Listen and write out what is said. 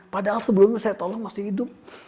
padahal sebelumnya saya tolong masih hidup